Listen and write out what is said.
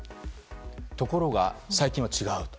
ところが最近は違うと。